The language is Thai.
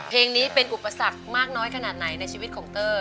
เพลงนี้เป็นอุปสรรคมากน้อยขนาดไหนในชีวิตของเต้ย